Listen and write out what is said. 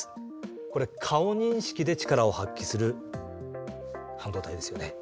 これ顔認識で力を発揮する半導体ですよね。